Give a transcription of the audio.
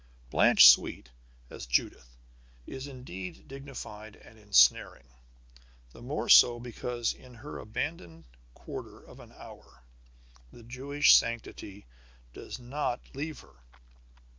Blanche Sweet as Judith is indeed dignified and ensnaring, the more so because in her abandoned quarter of an hour the Jewish sanctity does not leave her.